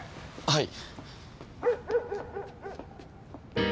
はい。